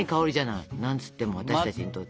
何つっても私たちにとって。